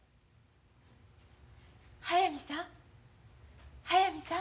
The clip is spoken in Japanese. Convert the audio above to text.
速水さん速水さん。